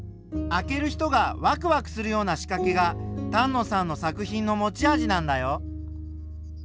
あける人がワクワクするようなしかけが丹野さんの作品の持ち味なんだよ。